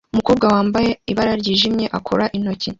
umukobwa wambaye ibara ryijimye akora intoki